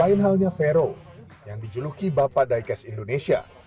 lain halnya vero yang dijuluki bapak diecast indonesia